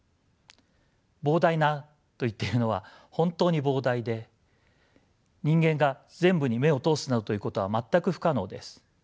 膨大なと言っているのは本当に膨大で人間が全部に目を通すなどということは全く不可能です。